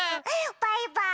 バイバーイ！